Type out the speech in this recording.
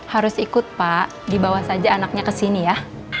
harus ikut pak dibawa saja anaknya kesini ya